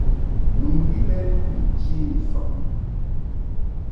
Mɨŋgwi lɛ ni nchi ni sɔbni.